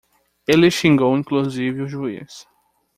Ele xingou inclusive o juiz